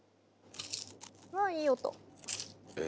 わあいい音。